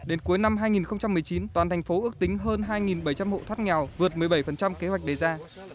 đến cuối năm hai nghìn một mươi chín toàn thành phố ước tính hơn hai bảy trăm linh hộ thoát nghèo vượt một mươi bảy kế hoạch đề ra